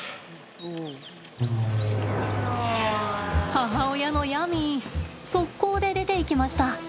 母親のヤミー速攻で出ていきました！